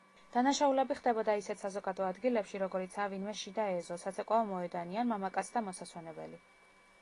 დანაშაულები ხდებოდა ისეთ საზოგადო ადგილებში, როგორიცაა ვინმეს შიდა ეზო, საცეკვაო მოედანი ან მამაკაცთა მოსასვენებელი.